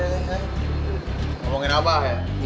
ngomongin abah ya